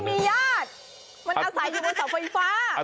มันอาศัยอยู่บนเสาไฟฟ้า